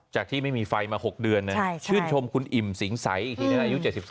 จากที่ไม่มีไฟมา๖เดือนชื่นชมคุณอิ่มสิงสัยอีกทีนะ